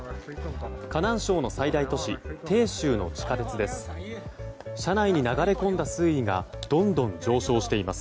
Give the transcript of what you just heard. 河南省の最大都市・鄭州の地下鉄です。